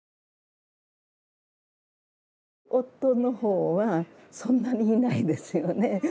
夫の方はそんなにいないですよね。